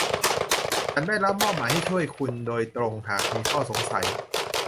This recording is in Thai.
ฉันได้รับมอบหมายให้ช่วยคุณโดยตรงหากมีข้อสงสัย